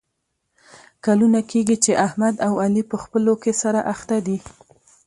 کلونه کېږي چې احمد او علي په خپلو کې سره اخته دي.